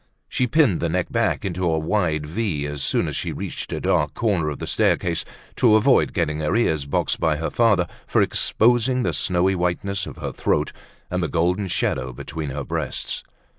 She pinned the neck back into a wide V as soon as she reached a dark corner of the staircase to avoid getting her ears boxed by her father for exposing the snowy whiteness of her throat and the golden shadow between her breasts.